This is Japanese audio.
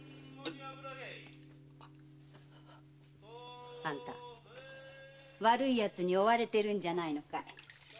あっ！あんた悪い奴に追われてるんじゃないのかい？